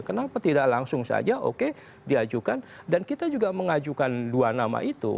kenapa tidak langsung saja oke diajukan dan kita juga mengajukan dua nama itu